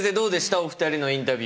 お二人のインタビューは。